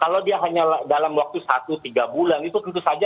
kalau dia hanya dalam waktu satu tiga bulan itu tentu saja